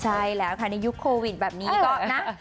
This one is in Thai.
ใช่แล้วค่ะในยุคโควิดแบบนี้ก็นะ